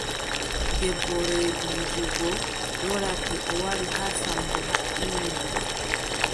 Debbo reeduujo go loorake, o wari haa Sammbo haɓɓino go.